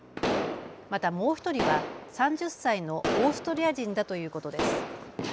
また、もう１人は３０歳のオーストリア人だということです。